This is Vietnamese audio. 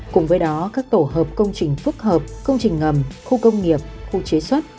cùng với đó các tổ hợp công trình phức hợp công trình ngầm khu công nghiệp khu chế xuất